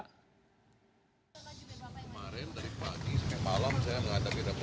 kemarin dari pagi sampai malam saya menghadapi daftar kerja